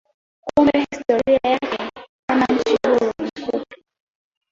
Kumbe historia yake kama nchi huru ni fupi.